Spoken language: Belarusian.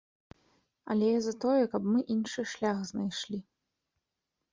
Але я за тое, каб мы іншы шлях знайшлі.